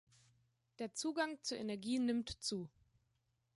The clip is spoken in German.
Der Zugang zu Energie nimmt zu.